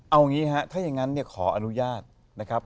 เอางี้ฮะถ้าอย่างนั้นขออนุญาตนะครับ